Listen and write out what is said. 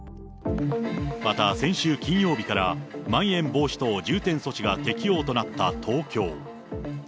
また先週金曜日からまん延防止等重点措置が適用となった東京。